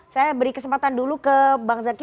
saya beri kesempatan dulu ke bang zaky